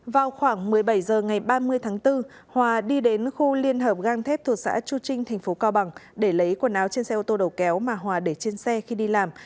vào khoảng một mươi bảy h ngày ba mươi tháng bốn hòa đi đến khu liên hợp gang thép thuộc xã chu trinh thành phố cao bằng để lấy quần áo trên xe ô tô đầu kéo mà hòa để trên xe khi đi làm